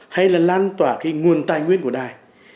hay là lan tỏa cái nguồn tài nguyên của đài